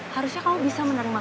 harusnya kamu bisa menerima